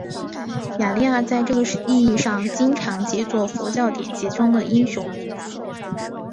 雅利亚在这个意义上经常解作佛教典籍中的英雄。